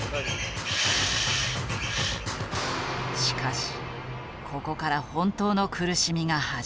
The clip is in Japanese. しかしここから本当の苦しみが始まる。